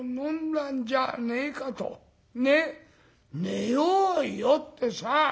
『寝ようよ』ってさ。